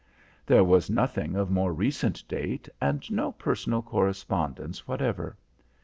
There was nothing of more recent date and no personal correspondence whatever.